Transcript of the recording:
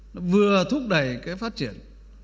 nó vừa thúc đẩy cái phát triển